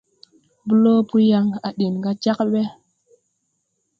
Blo po yaŋ à deŋ ga Djakbé.